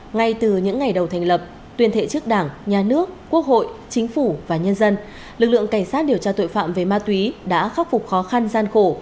ngay từ những ngày đầu thành lập tuyên thệ trước đảng nhà nước quốc hội chính phủ và nhân dân lực lượng cảnh sát điều tra tội phạm về ma túy đã khắc phục khó khăn gian khổ